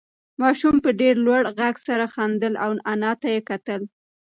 ماشوم په ډېر لوړ غږ سره خندل او انا ته یې کتل.